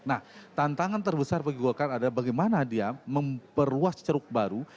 nah tantangan terbesar bagi golkar adalah bagaimana dia memperluas ceruk baru